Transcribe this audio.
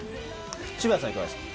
渋谷さん、いかがですか？